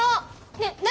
ねえ何？